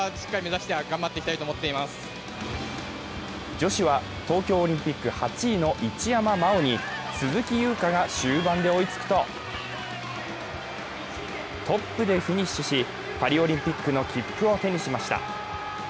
女子は東京オリンピック８位の一山麻緒に鈴木優花が終盤で追いつくとトップでフィニッシュし、パリオリンピックの切符を手にしました。